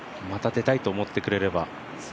出たいと思ってくれれば。